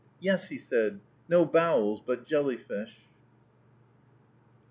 "Yes," said he, "no bowels, but jelly fish."